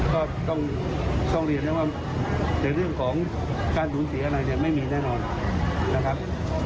ก็ต้องทรงเรียนว่าเหลือเรื่องของการหลุมเสียอะไรเนี่ยไม่มีแน่นอนนะครับ